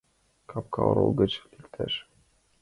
Капка орол гыч лекташ?»